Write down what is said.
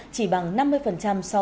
chỉ bằng năm mươi so với tài sản